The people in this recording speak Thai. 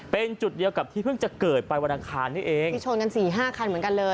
เป็นจุดเดียวกับที่เพิ่งจะเกิดไปวันอังคารนี้เองที่ชนกันสี่ห้าคันเหมือนกันเลย